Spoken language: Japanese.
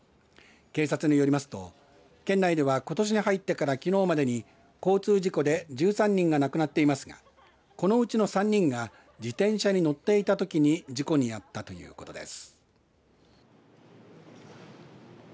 警察によりますと県内では、ことしに入ってからきのうまでに交通事故で１３人が亡くなっていますがこのうちの３人が自転車に乗っていたときに事故に遭ったということです。